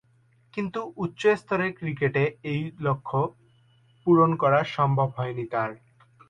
কিন্তু, উচ্চ স্তরের ক্রিকেটে ঐ লক্ষ্য পূরণ করা সম্ভব হয়নি তার।